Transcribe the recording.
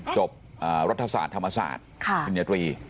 จบรัฐศาสตร์ธรรมศาสตร์ปริญญาตรี